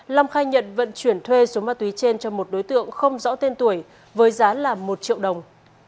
long khai nhận vận chuyển thuê số ma túy trên cho một đối tượng không rõ tên tuổi với giá là một triệu đồng